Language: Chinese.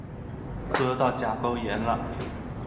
磕到甲沟炎了！